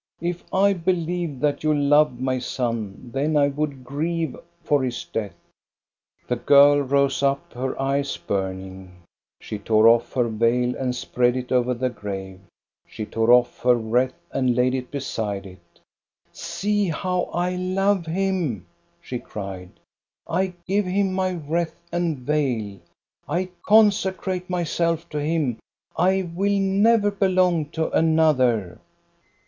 If I believed that you loved my son, then I would grieve for his death." The girl rose up, her eyes burning. She tore off her veil and spread it over the grave, she tore off her wreath and laid it beside it. '* See how I love him !" she cried. " I give him my wreath and veil. I consecrate myself to him. I will never belong to another."